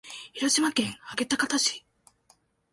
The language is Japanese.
広島県安芸高田市